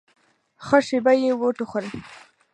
ښه شېبه يې وټوخل.